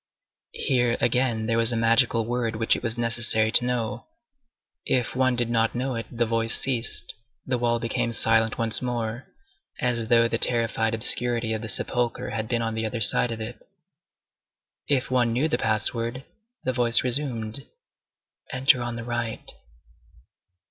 Here, again, there was a magical word which it was necessary to know. If one did not know it, the voice ceased, the wall became silent once more, as though the terrified obscurity of the sepulchre had been on the other side of it. If one knew the password, the voice resumed, "Enter on the right."